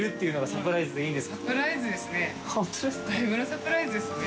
サプライズですね。